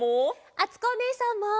あつこおねえさんも！